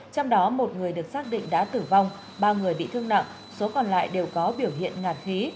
trong đó một người được xác định đã tử vong ba người bị thương nặng số còn lại đều có biểu hiện ngạt khí